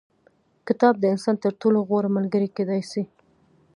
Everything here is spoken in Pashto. کتاب د انسان تر ټولو غوره ملګری کېدای سي.